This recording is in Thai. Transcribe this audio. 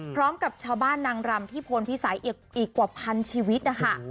พร้อมกับชาวบ้านนางรำที่พลพิสัยอีกกว่าพันชีวิตนะคะ